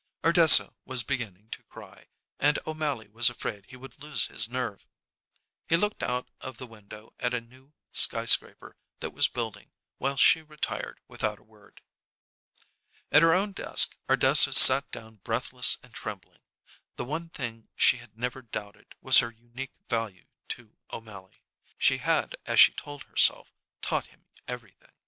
Ardessa was beginning to cry, and O'Mally was afraid he would lose his nerve. He looked out of the window at a new sky scraper that was building, while she retired without a word. At her own desk Ardessa sat down breathless and trembling. The one thing she had never doubted was her unique value to O'Mally. She had, as she told herself, taught him everything.